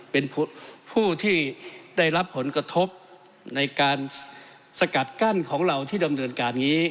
เป็นผู้ที่ได้รับผลกระทบในการสกัดกั้นของเราที่ดำเนินการนี้